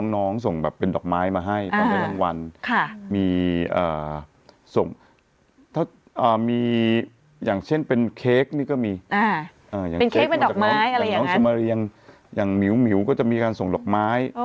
น้องส่งปล่อมหลังวันเป็นลูกม้ายมาให้